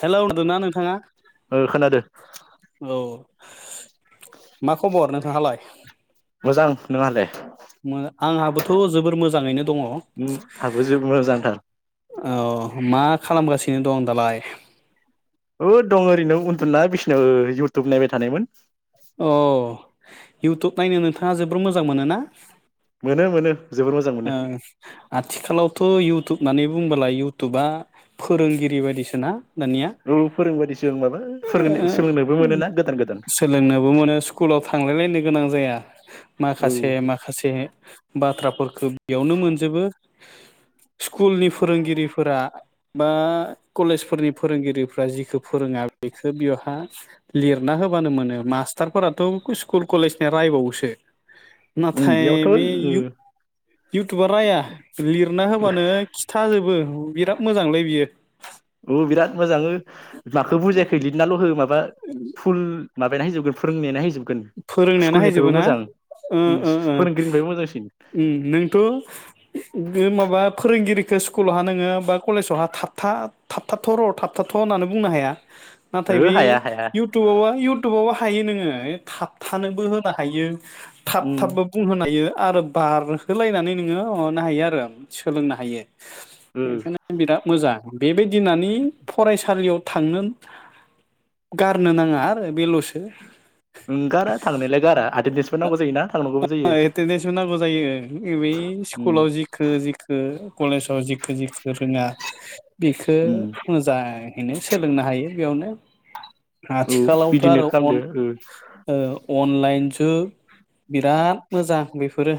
Hello नोदोना नोंथांङा? ओ खोनादो औ मा खबर नोंथांहालाय? [unintelligible] मोजां नोंहालाय? मो आंहाबोथ' जोबोर मोजांङैनो दंङ' औ उम आंहाबो जोबोद मोजांथार मा खालामगासि दिनो दं दालाय? होद दं ओरैनो उन्दुना बिसनायाव ओ इयउटुब नायबाय थानायमोन। अह इउटुब नायनो नोंथांङा जोबोर मोजां मोनो ना? मोनो मोनो जोबोर मोजां मोनो ओं आथिखालावथ' इउटुब माने बुंबोला इउटुबा फोरोंगिरि बादिसोना? औ फोरों बादिसो ओमबाबो फोरोंनो सोलोंनोबो मोनोना गोदान गोदान लोंनोबो मोनो स्कुलाव थांलायलायनो गोनां जाया औ माखासे माखासे बाथ्राफोरखौ बेयावनो मोनजोबो स्कुलनि फोरोंगिरिफोरा बा कलेजफोरनि फोरोंगिरिफ्रा जिखौ फोरोंङा बेखौ बेवहा लिरना होबानो मोनो। मास्टारफोराथ'ओम खुस स्कुल कलेजनि रायबावोसो उम नाथाय बेयावथ' ओ बे इउ इउटुबा राया लिरना होबानो खिथाजोबो। ओं बिराद मोजांलै बियो औ बिराद मोजाङो माखौ बुजियाखै लिदनाल' हो माबा फुल माबायानो हाइजोबगोन फोरोंनायानो हाइजोब फोरोंनायानो हायजोबो ना उम ओ-ओ फोरोंगिरिनिफ्रायबो मोजांसिन ओम नोंथ'ओं गोन माबा फोरोंगिरि बे स्कुलावहा नोङो बा कलेजावहा थाबथा-थाबथाथ' र'- थाबथाथ' होननानै बुंनो हाया नाथाय ओहो बे हाया हाया इउटुबावबा इउटुबावबा हानोङो थाबथानोबो होबा हायो उम थाब-थाबबो बुंहोनो हायो आरो बारहोलायनानै नोङो ओ अरनो हायो आरो सोलोंनो हायो। ओ बेखायनो बिराद मोजां बेबायदि होननानै फरायसालियाव थांनो गारनो नाङा आरो बेल'सो ओं गारा थांनायलाय गारा एटेनडसबो नांगौ जायोना थांनांगौ। एटेडेन्सबो नांगौ जायो बै उम स्कुलाव जिखो-जिखो कलेजाव जिखो-जखो रोङा बेखौ उम मोजाङैनो सोलोंनो हायो। बेयावनो औ आथिखालावथ' बिदिनो आरो खालामदो अन ओ अ अनलाइन ओ। बिराद मोजां बेफो फोरो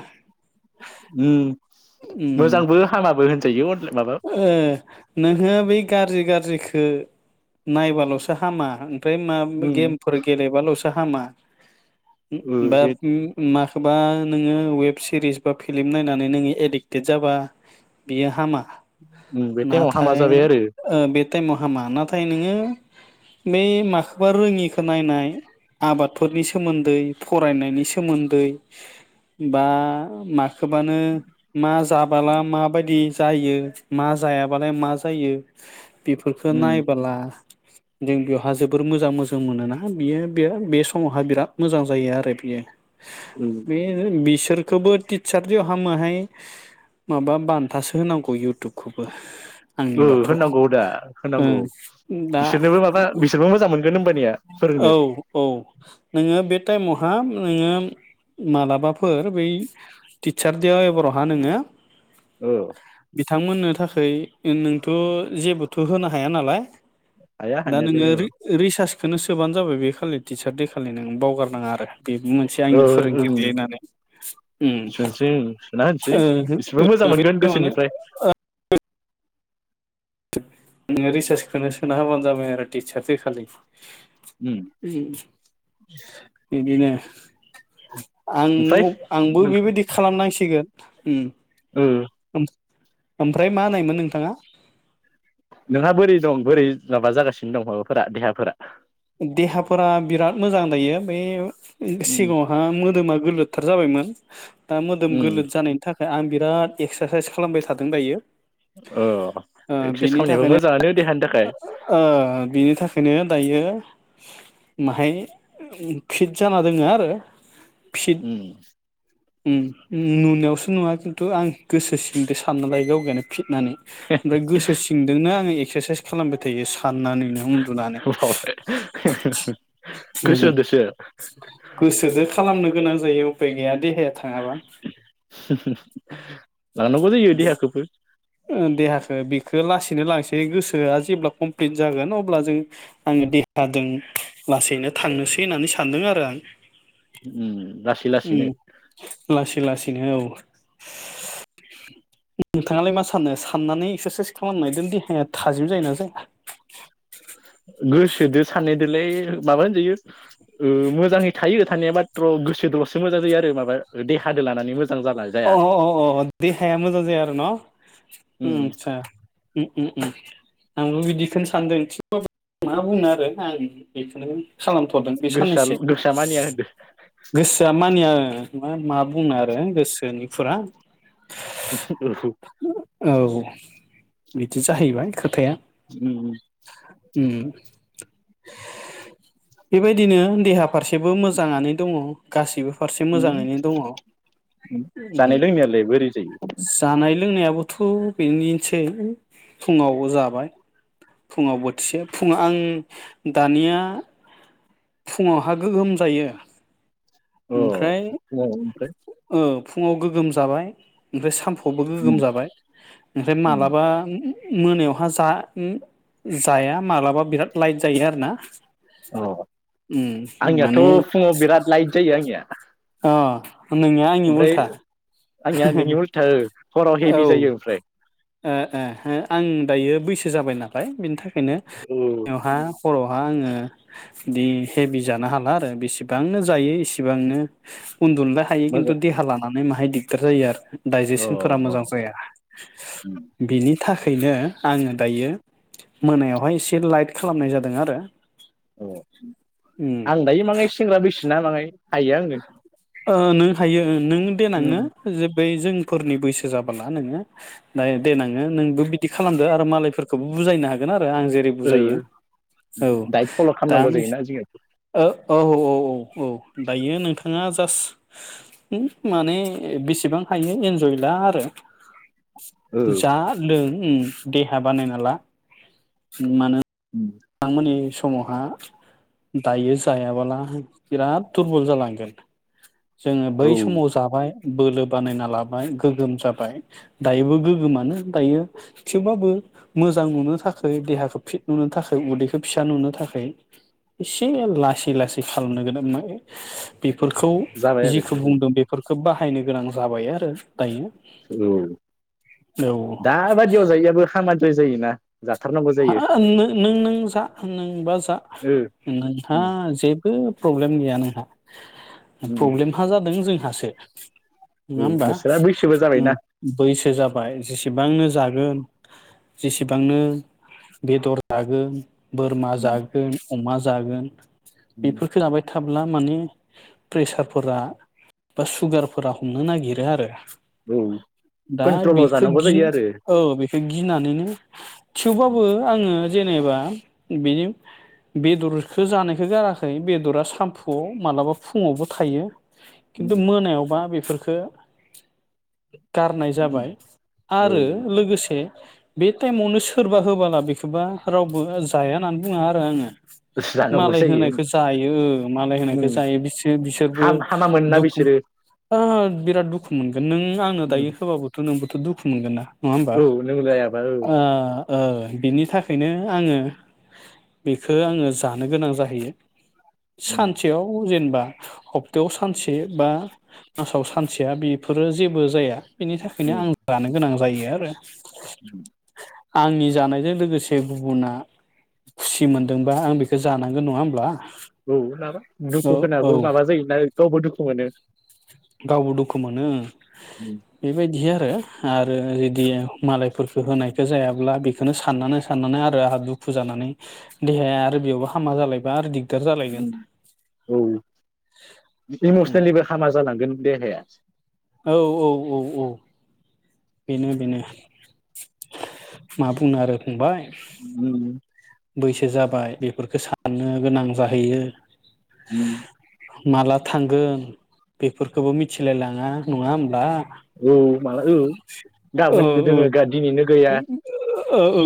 उम। मोजांबो हामाबो होनजायो अनला माबा। नो बै गाज्रि गाज्रिखौ नायबाल'सो हामा। ओमफ्राय मा उम गेमफोर गेलेबाल'स हामा। ओ उम बा बे उम मा बा नोङो वेब सिरिस बा फिल्म नायनानै नोङो एडिक टेट जाबा बियो हामा उम बे टाइमाव हामा नाथाय जाबाय आरो। ओ बे टाइमाव हामा नाथाय नोङो बे माखौबा रोङिखौ नायनाय आबादफोरनि सोमोन्दै फरायनायनि सोमोन्दै बा मा खोबानो जाबाला माबायदि जायो मा जायाबालाय मा जायो। बेफोरफोरखौ उम नायबोला जों बेवहा जोबोर मोजां मोजां मोनोना बियो बे बे समावहा बिराद मोजां जायो आरो बियो उम बे बिस- नोंखौबो टिचारदो हामोहाय माबा बान्थासो होनांगौ इउटुबखौबो आंनि ओ बाथौ होननांगौ दा अ होनांगौ दा बिसोरनोबो माबा बिसोरबो मोजां मोनगोन होमबानिया फोरोंनो औ औ नोङो बे टाइमावहा नोङो मालाबाफोर बै टिचार देयाव एबार' बा नोङो औ बिथांमोननो थाखाय नोंथ' जेबोथ' होनो हाया नालाय हाया दा हानायालाय नोङो औ रि-रिसार्च बेखौनो सोबानो जाबाय बे खालि टिचार दे खालि नों बावगारनाङा आरो बेबो मोनसे ओ आंनि फोरोंगिरि ओं दे होननानै उम लानसै इसेबां मोजां मोनगोन गोसोनिफ्राय नोङो रिसार्चखौनो सोना हाबानो जाबाय आरो टिचार फै खालि उम उम बिदिनो [inaudible] आं ओमफ्राय आंबो नोंहा बेबायदि खालामनांसिगोन उम ओ ओमफ्राय मा नायोन नोंथाङा नोंहा बोरै दं बोरै माबा जागासिनो दं माबाफोरा देहाफोरा देहाफोरा बिराद मोजां जायो बे उम सिगाङावहा मोदोमा गोरलोद थार जाबायमोन दा मोदोम उम गोलद जानायनि थाख ओमफ्राय आं बिराद एक्सारसाइस खालामबाय थादों दायो ओ एक्सारसाइस बिनि खालामनायाबो थाखायनो मोजाङानो देहानि थाखाय ओ ओ बिनि थाखाय खायनो दायो माहाय फिट जाना दोङो आरो फिट उम उम उम नुनायावसो नुवा खिन्थु आं गोसो सिंजों साननो लाय गावगायनो फिदनानै ओमफ्राय गोसो सिंदोंनो आङो एक्सारसाइस खालामबाय थायो साननानैनो उन्दुनानै बावबाय उम गोसो होदोसो गोसोजो खालामनो गोनां जायो उफाय गैया दि बे थाङा बा [unintelligible] लानांगौ जायो देहाखौबो ओ देहाखौ बेखो लासैनो लांसै गोसोआ जेब्ला कमप्लिट जागोन अब्ला जों आङो देहाजों लासैनो थांनोसै होननानै सानदों आरो आं उम लासै लासैनो उम लासै लासैनो औ नोंथाङालाय मा सा सानो साननानै एक्सारसाइस खालामनायदों देहाया थाजिम जायोना जाया? गोसोदो साननायदोलाय माबा होनजायो ओ मोजाङै थायो। थानाया माथ्र' गोसो द'सो मोजां जायो आरो माबा दे हादो लानानै मो अ' अ' अ' देहाया मोजां जाया आरो न' उम ओम आतसा ओम ओम ओम आंबो बिदिखौनो सानदों थि मा बुंनो आरो आं बेखौनो खालामथ'दों बे गोसोआ साननैसो गोसोआ मानिया गोसोआ मानिया मा मा बुंनो आरो गोसो निफुरा [unintelligible] औ औ बिदि जाहैबाय खोथाया ओम उम बेबायदिनो देहा फारसेबो मोजाङानो दङ गासिबो फारसे उम मोजाङैनो दङ जानाय लोंनायालाय बोरै जायो? बोथ' बेनोसै फुङाव जाबाय फुङाव बोथिसे फुङाव आं दानिया फुङावहा गोगोम जायो औ ओमफ्राय औ ओमफ्राय ओ फुङाव गोगोम जाबाय आमफ्राय साम खौबो गोगोम उम जाबाय ओमफ्राय उम मालाबा मोनायावहा जा जाया माब्लाबा बिराद लाइ जायो आरो ना अ उम आंनियाथ' माने फुङाव बिराद लाइ जायो आंनिया अ' नोंनिया आंनि ओमफ्राय उल्था आंनिया नोंनि उल्था हराव हेभि औ जायो ओमफ्राय ओ ओ हो आं दायो बैसो जाबाय नालाय बेनि था बेखायनो औ आयावहा हरावहा आङो दि हेभि जानो हाला आरो बेसेबांनो जायो इसेबांनो, उन्दुलाय हायो खिन्थु मोजां देहा लानानै माहाय दि दिगथार जायो आरो डाइजेसनफोरा अ अ मोजां जाया, बिनि थाखायनो आङो दायो मोनायावहाय एसे लाइट खालामनाय जादों आरो अ उम आं दायो माङाय सेंग्रा बैसेना माङाय, हायो आङो ओनों हायो, नों देेनांहो जोबाय जोंफोरनि बैसो जाबोला नोङो दा देनङो नोंबो बिदि खालामदो आरो मालायफोरखौबो बुजायनो हागोन आरो आं जेरै ओ बुजायो औ डाइट फल' दा खालामनांगौ नों जायोना जोङो ओ औ औ औ औ औ दायो नोंथाङा जास उम माने बेसेबां हायो इन्जय ला आरो ओ जा लों उम देहा बानायना ला मानो आं माने स समावहा दायो जायाबोला बिराद दुरबल जालांगोन जोङो बै औ समाव जाबाय बोलो बानायना लाबाय गोग्गोम जाबाय दायोबो गोगोमानो दायो थेवबाबो मोजां नुनो थाखाय देहाखौ फिट नुनो थाखाय उदैखौ फिसा नुनो थाखाय एसे लासै लासै खालामनो गोनां [unintelligible] बेफोरखौ जाबाय आरो जिखौ बुंदों बेफोर, खोब बाहायनो गोनां जाबाय आरो दायो औ औ दाबादियाव जायैयाबो खामानि द्राय जायोना? जाथारनांगौ हा जायो आं नो नों नों जा नोंबा जा ओ ओ नोंथाङा जेबो प्रब्लेम गैया नोंहा, प्रब्लेमहा जादों जों आंसो नङा होमबा नोंसोरा बैसोबो उम जाबायना बैसो जाबाय जेसेबांनो जागोन। जेसेब बांनो बेदर जागोन, बोरमा जागोन अमा जागोन बेफोरफोरखौ लायबाय था थाब्ला माने प्रेसारफोरा बा सुगारफोरा हमनो नागिरो आरो औ दा कन्ट्रलाव बेखौ जानांगौ गि जायो आरो औ बेखौ गिनानैनो थेवबाबो आं ङो जेनेबा बेनि बेदरखौ जानायखौ गाराखै बेदरा सामफुवाव मालाबा फुङावबो थायो। खिन्थु मोनायावबा बेफोर खो गारनाय जाबाय औ आरो लोगोसे बिदि टाइमावनो सोरबा होबाला बेखौबा रावबो जाया होननानै बुङो आरो आङो जानांगौ मालाय जायो होनायखौ जायो मालाय होनायखौ जायो बिसोर बिसोरबो हामामोनना दुखु बिसोरो आ बिराद दुख मोनगो नों आंनो दायो होबाबोथ' नोंबो दुखु मोनगोन ना नङा होमबा औ नों जायाबा ओ ओ बिनि थाखायनो आङो बेखो आङो जानो गोनां जाहैयो सानसेयाव जेनेबा हप्तायाव सानसे बा मासाव सानसेया बेफोरो जेबो जाया बिनि थाखायनो आं जानो गोनां जायो यो आरो ओम आंनि जानायजों लोगोसे गुबुना खुसि मोनदोंबा आं बेखो जानांगोन नङा होमब्ला ओम लाबा औ दुखु औ खोनाबो माबा जायोना गावबो दुखु मोनो गावबो दुखु मोनो ओ बेबायदिया ओ आरो इदिया मालायफोरखौ होनायखौ जायाब्ला बेखोनो साननानै साननानै आरो आंहा दुखु जानानै देहाया आरो बेयावबो हामा जालायबा आरो दिग ओम औ इमसनेलिबो हामा जालांगोन देहाया औ-औ-औ-औ बेनो बेनो मा बुंनो आरो फंबाय बैसो जाबाय बेफोरखो साननो गोनां जाहैयो माला थांगोन बेफोरखौबो मिथिलायलाङा नङा होमब्ला औ माला औ ओ गाबोननो ओ दोङो गा दिनैनो गैया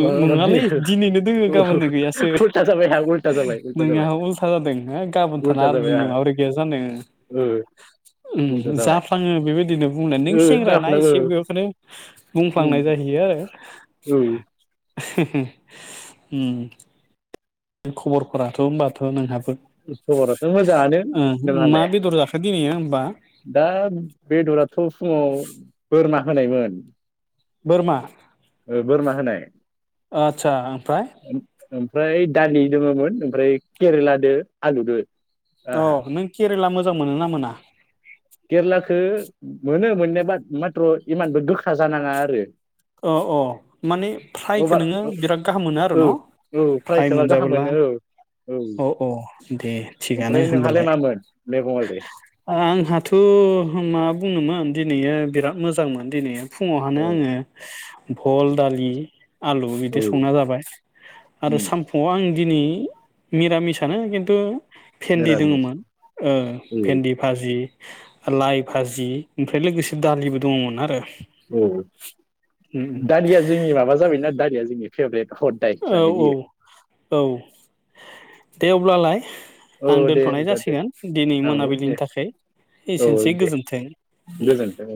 ओ दि नङालै दिनैनो दोङो गाबोननो गैयासो उल्था जाबाय नोंया उल्था जादों हो गाबोन थाना उल्था आरो जाबाय दिननि आंहा माब्रै गैया जानो ओ ओम उल्था जाबाय जाफ्लाङो बेबायदिनो बुं बुंनो नों ओ सेंग्राना जाफ्लाङो एसे बेखौनो बुंफ्लांनाय जाहैयो ओम [inaudible] ओम खबरफोराथ' होनबाथ' नोंहाबो खबराथ' मोजाङानो ओ मा नोंहालाय बेदर जाखो दिनैयो होमबा दा बेदराथ' फुङाव बोरमा होनायमोन बोरमा ओ बोरमा होनाय ओत्सा आमफ्राय ओमफाय दालि दङमोन ओमफ्राय केरेलादो आलु दो अ नों के केरेला मोजां मोनोना मोना केरेलाखौ मोनो मोननाय बाद माथ्र' इमानबो गोखा जानाङा आरो अ अ माने फ्रायखौ अभार नोङो बिराद गाहाम मोनो आरो औ न' औ फ्राय सोबा गाहाम मोनजाबोला मोनो औ औ अ अ दे थिगानो ओमफ्राय नोंहालाय होमबालाय मामोन मैगङालाय आंहाथ' थ' मा बुंनोमोन दिनैया बिराद मोजांमोन दिनैया फुङावहानो औ आङो भल दालि आलु बिदि औ संना जाबाय आरो उम सानफुआव आं दिनै निरामिसानो खिन्थु [inaudible] भेन्दि निरामिस दङमोन ओ औ भेन्दि भाजि लाइ भाजि ओमफ्राय लोगोसे दालिबो दङमोन आरो औ उम उम दालिया जोंनि माबा जाबाय दारिया जोंनि फेभरेट हदाय औ जानाय औ जायो औ दे अब्लालाय आं औ दे दोनथ'नाय होमबा दे जासिगोन दिनै औ दे मोनाबिलिनि थाखाय औ एसेनोसै दे गोजोन्थों गोजोनथों औ